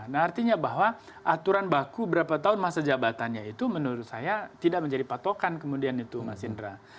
nah artinya bahwa aturan baku berapa tahun masa jabatannya itu menurut saya tidak menjadi patokan kemudian itu mas indra